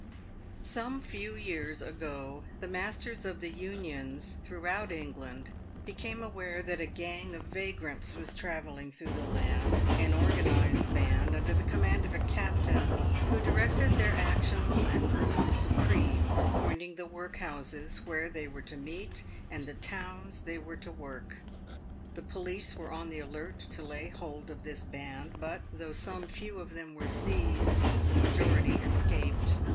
Some few years ago, the masters of the Unions throughout Eng land became aware that a gang of vagrants was travelling through the land — an organised band under the command of a captain, who directed their actions and ruled supreme, appointing the workhouses where they were to meet, and the towns they were to work. The police were on the alert to lay hold of this band, but, though some few of them were seized, the majority escaped.